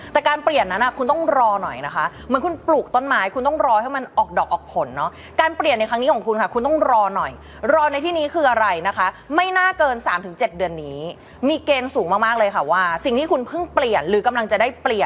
แต่การเปลี่ยนนั้นคุณต้องรอหน่อยนะคะเหมือนคุณปลูกต้นไม้คุณต้องรอให้มันออกดอกออกผลเนาะ